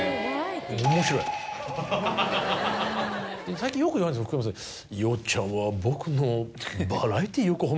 最近よく言われるんですよ福山さんに。